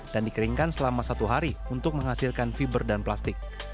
dan dikeringkan selama satu hari untuk menghasilkan fiber dan plastik